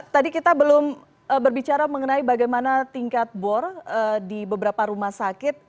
tadi kita belum berbicara mengenai bagaimana tingkat bor di beberapa rumah sakit